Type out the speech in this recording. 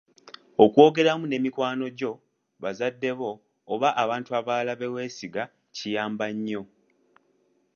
Okwogeramu ne mikwano gyo, bazadde bo oba abantu abalala be weesiga kiyamba nnyo.